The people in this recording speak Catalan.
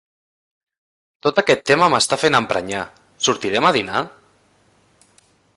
Tota aquest tema m'està fent emprenyar. Sortirem a dinar?